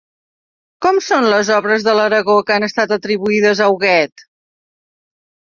Com són les obres de l'Aragó que han estat atribuïdes a Huguet?